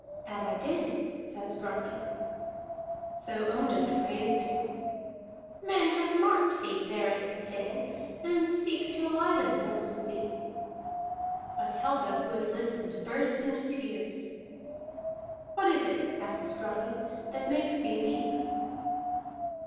"That I did," says Grani. So Ondott praised him. "Men have marked thee, there at the Thing, and seek to ally themselves with thee." But Helga, who had listened, burst into tears. "What is it," asks Grani, "that makes thee weep?"